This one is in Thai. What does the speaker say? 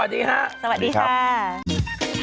โปรดติดตามตอนต่อไป